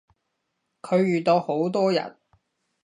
佢遇到好多人